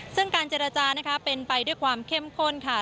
ซึ่งการเจรจานะคะเป็นไปด้วยความเข้มข้นค่ะ